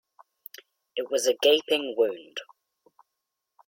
It was a gaping wound.